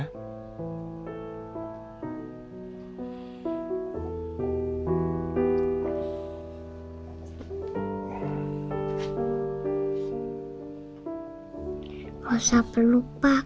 nggak usah peluk pak